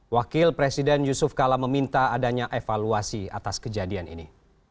wakil presiden yusuf kala meminta adanya evaluasi atas kejadian ini